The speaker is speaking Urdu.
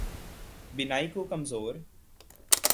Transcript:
بینائی کو کمزور